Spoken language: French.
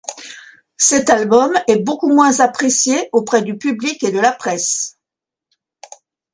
Cet album est beaucoup moins apprécié auprès du public et de la presse.